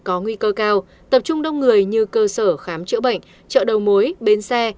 có nguy cơ cao tập trung đông người như cơ sở khám chữa bệnh chợ đầu mối bến xe